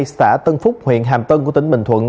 xã tân phúc huyện hàm tân của tỉnh bình thuận